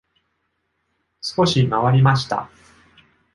少し回りました。